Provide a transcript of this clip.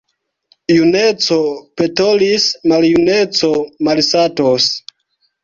Juneco petolis, maljuneco malsatos.